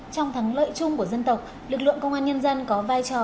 trong thắng lợi chung của dân tộc lực lượng công an nhân dân có vai trò